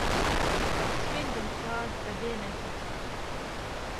سویندم خوارد بە بێنەزیر